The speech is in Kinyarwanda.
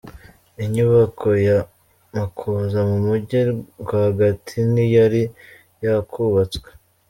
Inyubako ya Makuza mu Mujyi rwagati ntiyari yakubatswe.